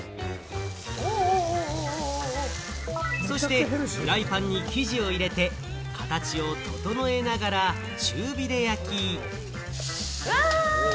そしてフライパンに生地を入れて、形を整えながら中火で焼き。